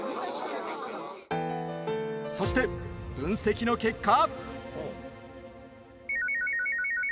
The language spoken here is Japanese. そして、分析の結果。